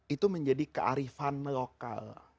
itu menjadi kearifan lokal